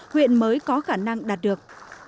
huyện mới có khả năng đạt được